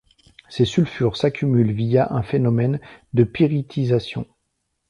Ces sulfures s'accumulent via un phénomène de pyritisation.